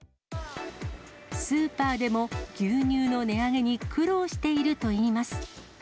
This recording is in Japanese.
スーパーでも牛乳の値上げに苦労しているといいます。